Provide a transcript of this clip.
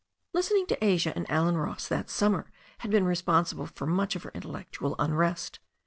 Listening to Asia and Allen Ross that summer had been responsible for much of her intellectual unrest.